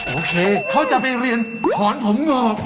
โอเคเขาจะไปเรียนถอนผมงอก